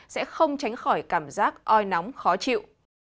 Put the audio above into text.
sẽ không tránh khỏi cảm giác oi nóng khó chịu